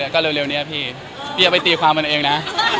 ก็เร็วนี้พี่พี่อย่าไปตีความมันเองนะ